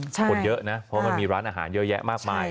คนเยอะนะเพราะมันมีร้านอาหารเยอะแยะมากมาย